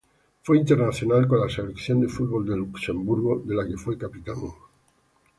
Fue internacional con la selección de fútbol de Luxemburgo, de la que fue capitán.